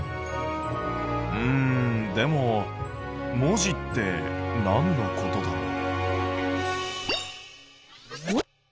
うんでも文字ってなんのことだろう？